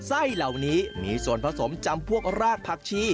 ไส้เหล่านี้มีส่วนผสมจำพวกรากผักชี